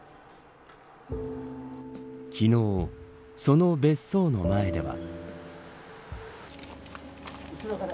昨日、その別荘の前では。